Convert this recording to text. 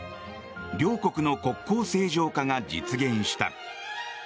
両国の国交正常化が実現した。